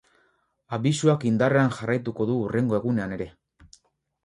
Abisuak indarrean jarraituko du hurrengo egunean ere.